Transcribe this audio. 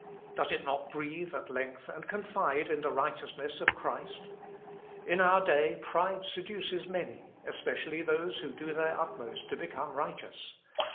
does it not breathe at length and confide in the righteousness of Christ? In our day pride seduces many, especially those who do their utmost to become righteous.